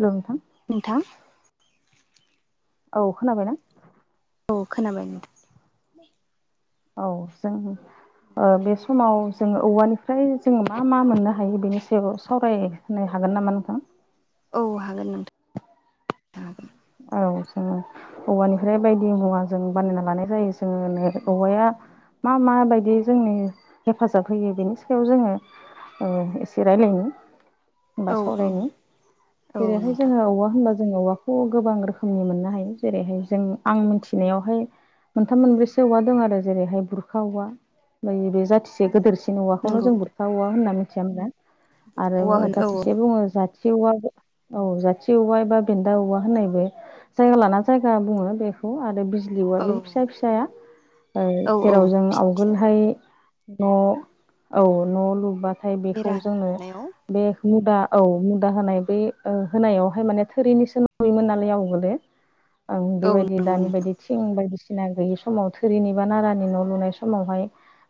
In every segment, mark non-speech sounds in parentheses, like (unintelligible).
हेल' नोंथां नोंथां। औ खोनाबायना। औ खोनाबाय औ जों। ओ बे समाव जोङो औवानिफ्राय जों मा मा मोननो हायो बेनि सायाव सावराय होनो हागोन नामा नोंथां। औ हागोन नोंथां हागोन। औ जोङो औवानिफ्राय बायदि मुवा जों बानायना लानाय जायो। ओ (unintelligible) नंगौ औवाया। मा मा बायदियै जोंनि हेफाजाब होयो बेनि सायाव जोङो। ओ एसे रायलायनि। होमबा औ सावरायनि औ जेरैहाय नोंथां जोङो औवा होनबा जोङो औवाखौ। गोबां रोखोमनि मोननो हायो जेरैहाय जों आं मिथिनायावहाय। मोनथाम मोनब्रैसो औवा दं आरो जेरैहाय बुरखा औवा जाथिसे नंगौ गोदोरसिन औवाखौनो नंगौ जों नोंथां बुरखा औवा होनना मिथियाहोमोना आरो औवा होनो औ जाथिसे बुङो जाथि औवा औ जाथि औवा एबा बेन्दा औवा होननाय बे जायगा लाना जायगा बुङो बेखौ आरो बिजलियावआ औ बे फिसा फिसाया ओ औ औ जेराव जों फिसा फिसा आवगोलहाय न' औ न' लुबा नाथाय बेखौ बेरा जोङो दुमनायाव बे मुदा औ दा होनाय बै होनायावहाय माने थोरिनिसो नुयोमोन नालाय आवगलो आं औ बेबायदि नंगौ दानि नोंथां बायदि थिं बायदिसिना गैयि समाव थोरिनि बा नारानि न' लुनाय समावहाय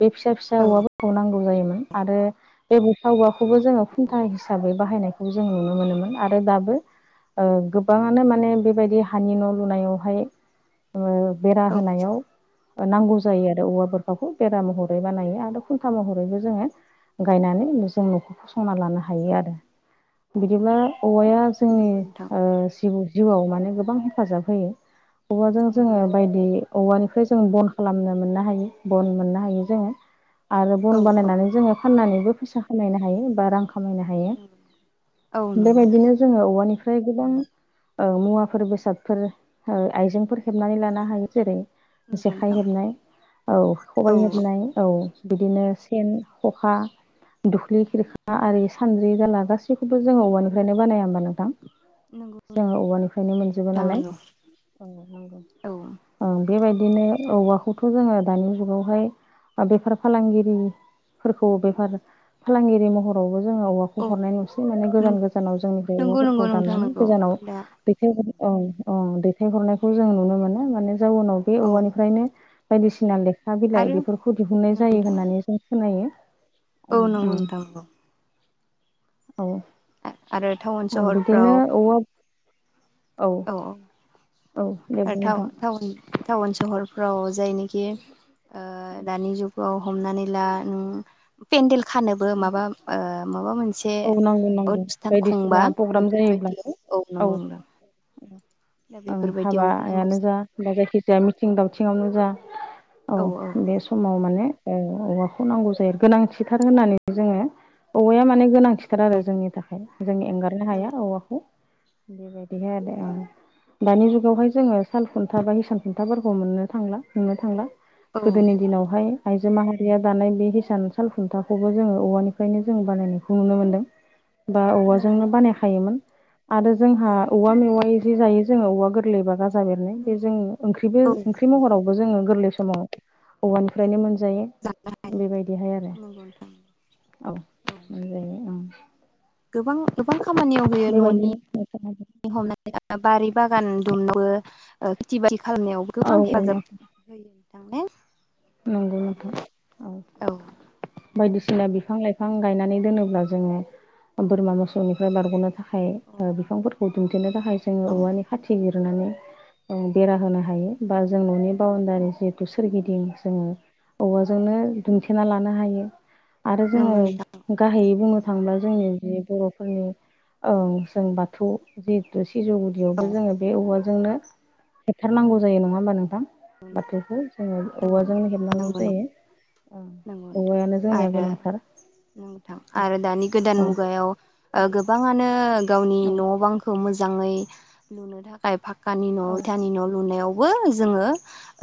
बे फिसा फिसा औ औवाफोरखौ नांगौ जायोमोन आरो बे बुरखाऔवाखौबो जोङो खुन्था हिसाबै बाहायनायखौबो जों नुनो मोनोमोन आरो दाबो ओ नंगौ गोबाङानो माने बेबायदि हानि न' लुनायावहाय बेरा नोंथां होनायाव नांगौ जायो आरो औवा बखाखौ बेरा महरै बानायो आरो खुन्था महरैबो जोङो गायनानै जों न'खर फसंना लानो हायो आरो बिदिब्लाा औवाया जोंनि नंगौ नोंथां ओ जि जिउआव माने गोबां हेफाजाब होयो औवाजों जोङो बायदि औवानिफ्राय जों बन खालामनो मोननो हायो बन मोननो हायो जोङो आरो औ बन औ बानायनानै जोङो फाननानैबो फैसा खामायनो हायो बा रांखौ खामायनो नंगौ औ हायो नंगौ बेबायदिनो जोङो औवानिफ्राय गोबां ओ मुवाफोर बेसादफोर आइजेंफोर हेबनानै लानो हायो जेरै नंगौ जेखाइ नोंथां हेबनाय औ खबाइ हेबनाय औ बिदिनो सेन खखा दुख्लि खिरखा आरि सानद्रि जाला गासैखौबो जोङो औवानिफ्रायनो बानाया होमबा नोंथां नंगौ जोङो औवानिफ्रायनो मोनजोबो नोंथां नालाय नंगौ औ औ नगौं बेबायदिनो औवाखौथ' जोङो दानि जुगावहाय बेफार फालांगिरि फोरखौ बेफार फालांगिरि महरावबो जोङो औवाखौ औ हरनाय नुसै माने गोजान नंगौ गोजानाव जोंनिफ्राय नंगौ औवाफोरखौ नोंथां दाननानै नंगौ गोजानाव दा बेख औ औ दैथायहरनायखौ जों नुनो मोनो माने जाउनाव बे औ औवानिफ्रायनो बायदिसिना लेखा बिलाइ आरो बेफोरखौ दिहुननाय नंगौ जायो नोंथां होननानै जों खोनायो औ उम नंगौ उम नोंथांं नंगौ औ आरो टाउन सहरफ्राव बिदिनो औवा औ औ औ दे बुं आरो नोंथां टाउन सहरफ्राव हजायनोखि ओ दानि जुगाव हमनानै ला पेनदल खानोबो माबा माबा मोनसे औ नांगौ एसे नांगौ अनुस्थान खुंबा बायदिसिना प्रग्राम जायोब्ला बेफोरबायदि औ नंगौ नोंथां दा ओं बेफोरबायदियावबो नांगौ हाबायानो जायो जा बा जायखि जाया औ मिथिं दावथिंयावनो जा औ बे समाव माने ओ औवाखौ नांगौ जायो। गोनांथिथार होननानै जोङो औवाया माने गोनां थिथार आरो जोंनि थाखाय। जों एंगारनो हाया नंगौ नोंथां औवाखौ बेबायदि। बेनो आरो नंगौ औ। दानि जुगावहाय जोङो साल खुन्था बा हिसान खुन्थाफोरखौ मोननो थांला बा नुनो थांला। औ गोदोनि दिनावहाय आइजो माहारिया दानाय बे हिसान साल खुन्थाखौबो जोङो औवानिफ्रायनो जों बानायनायखौ नुनो मोनदों बा नंगौ नोंथां नंगौ औवाजोंनो नोंथां बानायखायोमोन आरो जोंहा औवा मेवाइ जि जायो जोङो औवा गोरलै बा गाजा बेरनाय बे जों ओंख्रिबो औ ओंख्रि महरावबो जोङो गोरलै समाव औवानिफ्रायनो मोन जायो, जानो हायो बेबायदिहाय आरो नंगौ नोंथां औ। उम। गोबां गोबां खामानियाव होयो न'नि हमनानै बारि बागान दुमनोबो ओ खेथि बारि खालामनायाव औ गोबां हेफाजाब (unintelligible) नंगौ नोंथां। औ। बायदिसिना बिफां लाइफां गायनानै दोनोब्ला जोङो बोरमा मोसौनिफ्राय बारग'नो था खाय औ ओ बिफांफोरखौ दुमथेनो थाखाय जोङो औ औवानि खाथि जिर नानै ओम बेरा होनो हायो बा जों न'नि बाउन्दारि जिहेथु सोरगिदिं जोङो औवाजोंनो दुमथेना लानो हायो। आरो जोङो नंगौ नोंथां गाहायै आरो बुंनो थांब्ला जोंनि जि बर'फोरनि ओ जों बाथौ जिहेतु सिजौ औ नंगौ गुदियावबो जोङो बे औवाजोंनो हेबथारनांगौ जायो, नङा होमबा नोंथां? नंगौ बाथौखौ जोङो औवाजोंनो हेबनांगौ नंगौ नंगौ जायो। नंगौ नोंथां, औवायानो जोंनिया आरो गोनांथार नोंथां आरो दानि गोदान औ मुगायाव ओ गोबाङानो गावनि न' बांखौ मोजाङै लुनो थाखाय फा क्कानि न' औ इथानि न' लुनायावबो जोङो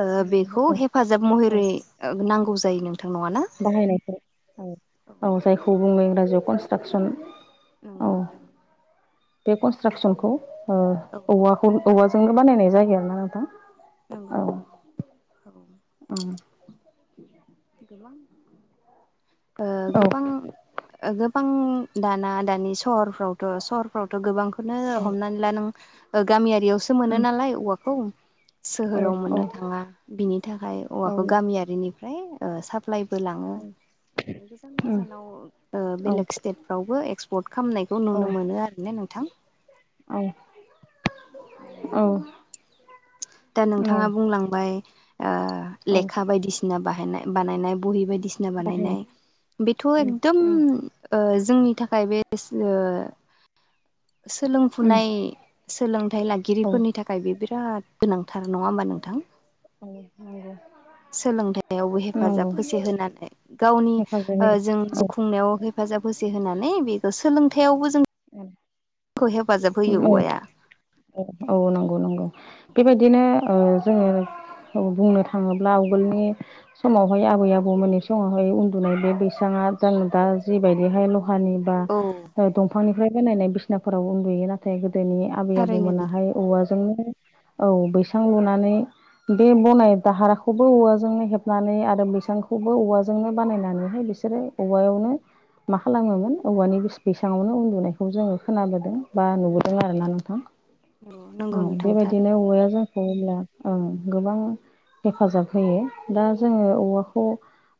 ओ बेखौ हेफाजाब महरै नांगौ जायो नों बाहायनायफोर औ औ जायखौ बुङो इंराजियाव कनस्ट्राक्सन नंगौ नोंथां बे कनस्ट्राक्सनखौ ओ औ औवाखौ औवाजोंनो बानायनाय जायो आरोना नोंथां? नंगौ औ नंगौ औ। उम गोबां ओ औ गोबां ओ गो बां दाना दानि सहरफ्रावथ' सहरफ्रावथ' गोबांखौनो औ हमनानै ला नों गामियारियावसो मोनो उम नालाय औवाखौ औ सोहोराव मोननो औ थाङा, बिनि थाखाय औ औवाखौ उम गामियारिनिफ्राय ओ साप्लाइ बो लाङो। गोजान औ गोजानाव ओ औ बेलेग स्टेटफ्रावबो एक्सपर्ट खालामनायखौ नुनो मोनो आरो ना नोंथां? औ औ। दा औ नोंथाङा बुंलांबाय ओ औ लेखा बायदिसिना बाहायनाय बानायनाय बहि बायदि सिना बाहायो बानायनाय बेथ' उम एकदम उम ओ जोंनि थाखाय बे स ओ जों उम सोलोंफुनाय सोलोंथाइ औ लागिरिफोरनि थाखाय बे बिराद गोनांथार नङा होमबा नोंथां? औ नंगौ। सोलोंथाइयावबो नंगौ हेफाजाब होसे होनानै गावनि हेफाजाब ओ जों होयो जिउ खुंनायाव हेफाजाब होसे होनानै बेखौ सोलोंथाइयावबो जों औवाया औ औ औ नंगौ। गौ नंगौ बेबायदिनो ओह जोङो औ बुंनो थाङोब्ला आवगोलनि समावहाय आबै आबौमोननि समावहाय उन्दुनाय बे बैसां दा जों दा जिबायदिहाय ल हानि बा औ दंफांनिफ्राय बानायनाय बिसिनाफोराव उन्दुयो नाथाय दोनि आबै थारैनो नंगौ आबौमोनाहाय औवाजों औ बैसां लुनानै बे बनाय दाहारखौबो औवाजोंनो हेबनानै आरो बैसांखौबो औवाजोंनो बानायनानैहाय बे बिसोरो औवायावनो मा खालामोमोन औवानि बैस-बेैसाङावनो उन्दुनायखौ जोङो खोनाबोदों। बा नुबोदों आरो ना नोंथां नंगौ ओम नोंथां बेबायदिनो थारैनो औवाया जोंखो होयोब्ला ओं गोबां हेफाजाब होयो दा जोङो औ औवाखौ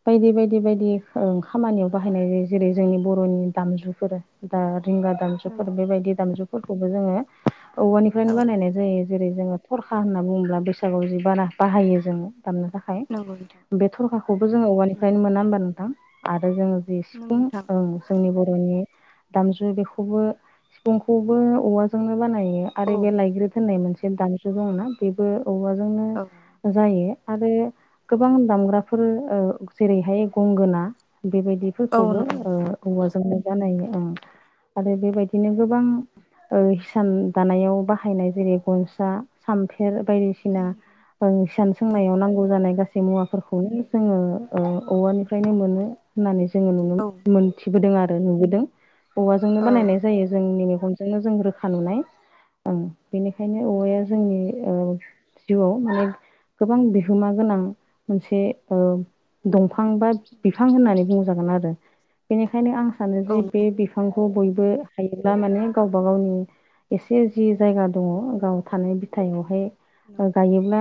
बायदि बायदि बायदि ओं खामानियाव बाहायनाय जायो जेरै जोंनि बर'नि दामजुफोर दा रिंगा दामजुफोर नंगौ बेबायदि दामजुफोरखौबो जोङो औ औवानिफ्रायनो बानायनाय जायो। जेरै जोङो थरखा होनना बुङोब्ला बैसागुआव जि बाना बाहायो जोङो। दामनो थाखाय नंगौ नोंथां बे थरखाखौबो जोङो नंगौ औवानिफ्रायनो मोना होमबा नोंथां? आरो जोङो जि नंगौ सिफुं नोंथां ओं जोंनि बर'नि दामजु बेखौबो सिफुंखौबो औवाजोंनो बानायो औ आरो बे लायग्रोद होननाय मोनसे दामजु दंना बेबो औबवाजोंनो औ जायो आरो औ गोबां दामग्राफोर ओ जेरैहाय गंगोना औ बेबायदिफोरखौबो नंगौ ओ नंगौ हौवाजोंनो बानायो ओ आरो बेबायदिनो गोबां ओ हिसान दानायाव बाहायनाय जेरै गनसा सामफेर बायदिसिना सान सोंनायाव नांगौ जानाय गसिबो मुवाफोरखौनो जोङो ओ औवानिफ्रायनो मोनो होननानै जोङो मोनथिबोदों आरो नुबोदों औवाजोंनो औ बानायनाय जायो जोंनि खनजोंनो जों रोखा नुनाय बेनिखायनो औवाया औ जोंनि जिउआव माने गोबां बिहोमा गोनां मोनसे ओ दं फांबाब बिफां होननानै बुंजागोन आरो बिनिखायनो आं सानो औ जि बे बबो हायोब्ला मान गावब गावनि एसे जि जाया दङ गाव थानाय बिथायावहाय गायोब्ला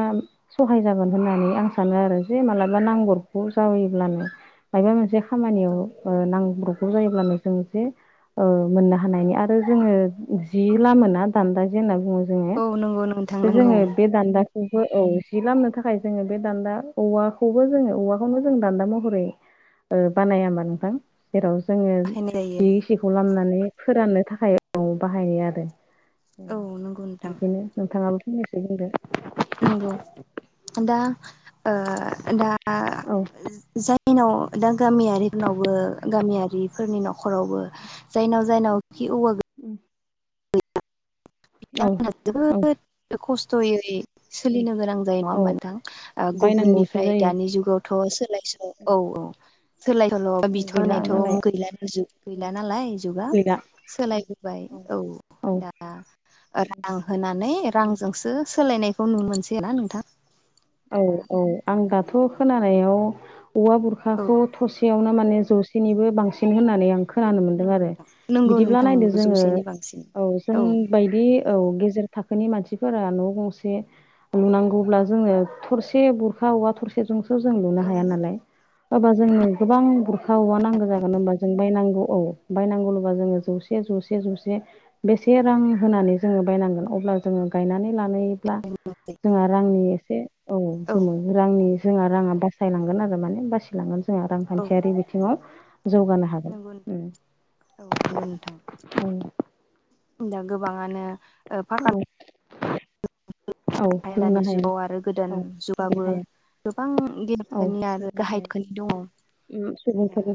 सहाय जागोन होननानै आं सानो आरो जे मालाबा नांगौखौ जाबायोब्लानो माबा मोनसे औ खामानियाव ओ नांब्रग्रौ जायोब्लानो जों जे ओ मोननो हानायनि आरो जोङो जि लामोना दान्दा जे होनना बुङो जोङो औ नंगौ नोंथां नंगौ जोङो बे दान्दा औ जि लामनो थाखाय जोङो बे दान्दा औवाखौबो जोङो औवाखौनो जों दान्दा महरै ओ बानाया होमबा नोंथां जेराव जोङो बाहायनाय जायो जि गिसिखौ लामनानै फोराननो थाखाय बाहायनाय आरो औ नंगौ नोंथां बिदिनो नोंथाङाल' फैनोसै बुंदो नंगौ दा ओ दा औ जायनाव दा गामियारिफोरनावबो गामियारिफोरनि न'खरावबो जायनाव जायनाव जि औवा औ बिथांमोना औ जोबोद खस्थ'यै सोलिनांगोन जायो नङा हा औ नोंथां बायनांगौसो गुबुननिफ्राय जायो दानि जुगावथ' सोलायस' औ औ सोलाय सोल' गैला बिथलनायथ' नालाय गैला गैला नालाय जुगा गैला औ सोलायबो बाय औ दा रां होनानै औ रांजोंसो सोलायनायखौ नुनो मोनसै ना नोंथां? औ दा औ आं दाथ' खोनानायाव औवा औ बुरखाखौ थसेयावनो माने जौसेनिबो बांसिन होननानै औ खोनानो मोनदों नंगौ आरो नोंथां नंगौ बिदिब्ला नोंथां नायदो नंगौ जोङो जौसेनि बांसिन औ जों बायदि औ गेजेर थाखोनि मानसिफोरा न' गंसे लुनांगौब्ला जोङो थरसे बुरखा औवा थरसेजोंसो जों लुनो औ हाया न नालाय हबा जोंनो गोबां बुर खा औवा नांगौ जागोन होनोमबा जों बायनांगौ औ बायनांगौ ल'बा जोङो नंगौ जौसे जौसे जसे बेसे रां होनानै जोङो बायनांगोन अब्ला जोङो गायनानै लानायब्ला जों आरो आंनि औ गोमो रांनि जोंहा राङा बासायलांगोन आरो माने बसिायलांगोन। जोंहा औ रांखान्थियारि बिथिङाव जौगानो नंगौ हागोन औ नंगौ नोंथां दा गोबाङानो ओ फाकान औ औ लुनो आायदानि हाया जुगाव आरो गोदान औ लुनो जुगाबो हाया गोबां औ गेहखोनि आरो लुनो हाया गाहायखोनि दङ। दा सुबुंफोर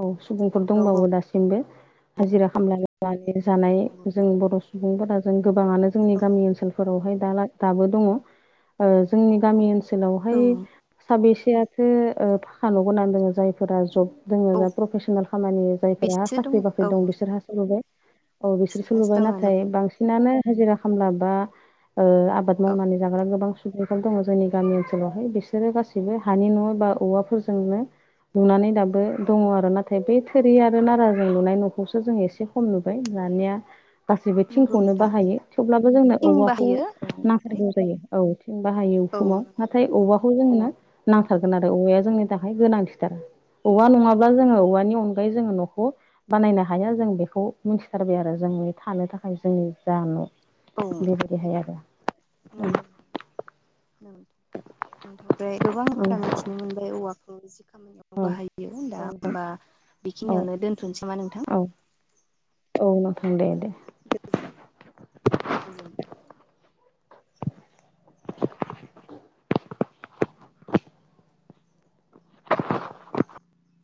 औ सुबुंफोर गाव दंबावो दासिमबो हाजिरा खामलानानै जानाय गाव जों बर' सुबुंफोरा गोबाङनो जोंनि औ गामि ओनसोलफोरावहाया दाबो दङ ओ जोंनि गामि ओनोल औ ओनसोलावहाय साबेसेआथो फाखान' गोनां दङ जायफोरा जब जोङो औ जा प्रफेसनेल खामानि जायफोरा बिसोर दङ साख्रि औ बाख्रि दं बिसोरहासो लुबाय। औ बिसोरसो बिसोरहासो लुबाय दङ नंगौ नाथाय नोंथां बांसिनानो हाजिरा खामला बा ओ आबाद औ मावनानै जाग्रा गोबां खाल दङ जोंनि गामि ओनसोलावहाय बिसोरो गासैबो हानि न' बा औवाफोरजोंनो नुनानै दाबो औ दङ आरो नाथाय बे थोरि आरो नाराजों लुनाय न'खौसो जों एसे खम नुबाय दानिया गासैबो नंगौ थिंखौनो नोंथां बाहायो थेवब्लाबो जोंना थिं औवाखौ बाहायो औ नाथाय जायो औथिं बाहायो औ उखुमाव नंगौ नाथाय नोंथां औवाखौ जोंनो औवाखौ नांथारगौ औवाया जोंनि थाखाय गोनांथिथार औवा नङाब्ला जोङो औवानि अनगायै जोङो न'खौ बानायनो हाया जों बेखौ मिथिथारबाय आरो जों थानो थाखाय जोंनि जा न' औ बेबायदिहाय आरो नोंथांफ्राय गोबां बाथ्रा मिथिनो मोनबाय औवाखौ खामानियाव औ बाहायो दा बा औ बेखिनियावनो दोनथ'नोसै नामा नोंथां। औ औ नोंथां दे दे। गोजोन औ गोजोन (inaudible)